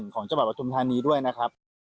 ของจบัตรประทุมธรรมนี้ด้วยนะครับ